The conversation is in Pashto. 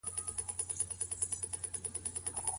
د تفريق نظر لرونکي علماء څه وايي؟